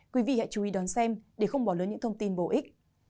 quý vị hãy chú ý đón xem để không bỏ lỡ những thông tin bổ ích